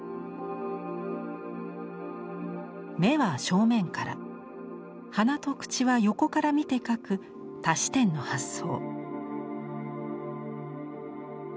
目は正面から鼻と口は横から見て描く多視点の発想。